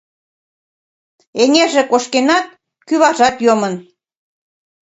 — Эҥерже кошкенат, кӱваржат йомын.